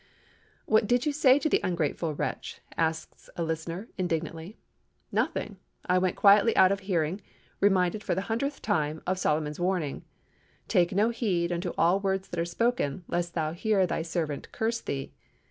'" "What did you say to the ungrateful wretch?" asks a listener, indignantly. "Nothing. I went quietly out of hearing, reminded, for the hundredth time, of Solomon's warning, 'Take no heed unto all words that are spoken, lest thou hear thy servant curse thee.